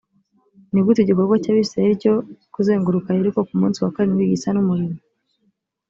ni gute igikorwa cy abisirayeli cyo kuzenguruka yeriko ku munsi wa karindwi gisa n umurimo